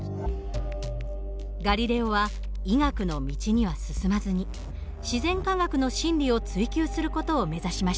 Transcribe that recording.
ガリレオは医学の道には進まずに自然科学の真理を追究する事を目指しました。